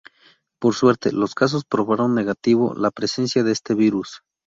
Por suerte, los casos probaron negativo la presencia de este virus.